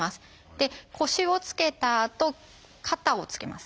で腰をつけたあと肩をつけます。